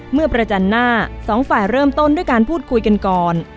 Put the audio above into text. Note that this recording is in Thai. เมื่อประจันหน้าสองฝ่ายเริ่มต้นด้วยการพูดคุยกันก่อน